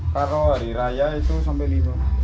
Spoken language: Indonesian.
kalau hari raya itu sampai lima